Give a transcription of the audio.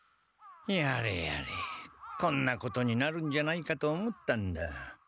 やれやれこんなことになるんじゃないかと思ったんだ。